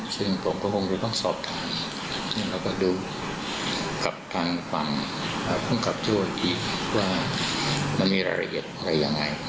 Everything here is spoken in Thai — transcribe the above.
ซึ่งผมก็คงจะต้องสอบถามแล้วก็ดูกับทางฝั่งภูมิกับโจ้อีกว่ามันมีรายละเอียดอะไรยังไง